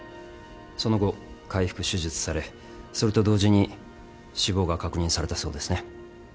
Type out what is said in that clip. その後開腹手術されそれと同時に死亡が確認されたそうですね。